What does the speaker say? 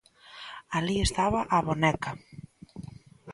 Alí estaba a boneca.